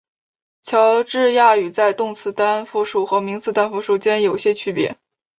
乔治亚语在动词单复数和名词单复数间有些区别。